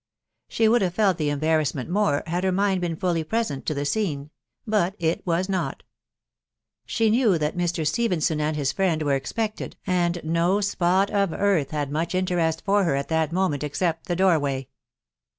She. would hmre felt the embarrassment more had her mind been fully present to the scene ; but it was not. She knew that Mr. Stephenson and In friend were expected, and no spot of earth had much intent | for her at that moment except the doorway.